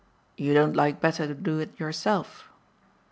"You don't like better to do it yourself?"